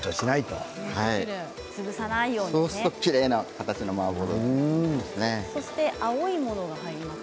そうすると、きれいな形のマーボー豆腐になります。